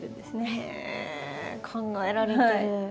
へえ考えられてる。